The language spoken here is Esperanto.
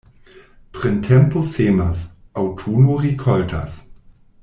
Printempo semas, aŭtuno rikoltas.